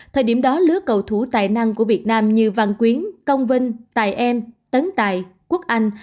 thời điểm đó lứa cầu thủ tài năng của việt nam như văn quyến công vinh tài em tấn tài quốc anh